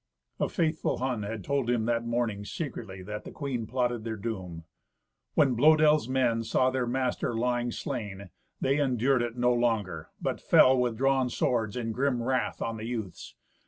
A faithful Hun had told him that morning, secretly, that the queen plotted their doom. When Blœdel's men saw their master lying slain, they endured it no longer, but fell with drawn swords in grim wrath on the youths.